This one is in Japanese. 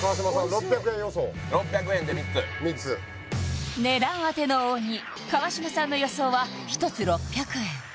６００円予想３つ６００円で３つ値段当ての鬼川島さんの予想は１つ６００円